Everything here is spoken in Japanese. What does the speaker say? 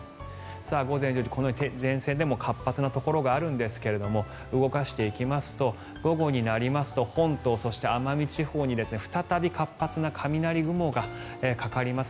午前１０時、前線でも活発なところがあるんですが動かしていきますと午後になりますと、本島そして、奄美地方に再び活発な雷雲がかかります。